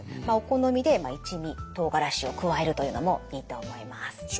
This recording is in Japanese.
まあお好みで一味とうがらしを加えるというのもいいと思います。